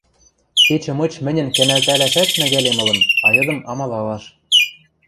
Кечӹ мыч мӹньӹн кӓнӓлтӓлӓшӓт мӓгӓлем ылын, а йыдым — амалалаш...